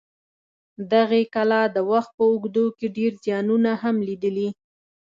دغې کلا د وخت په اوږدو کې ډېر زیانونه هم لیدلي.